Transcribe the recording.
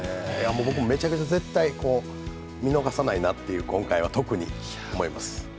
僕も絶対、見逃さないなという、今回は特に思います。